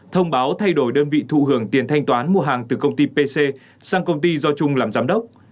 thông báo thay đổi đơn vị thụ hưởng tiền thanh toán mua hàng từ công ty pc sang công ty do trung làm giám đốc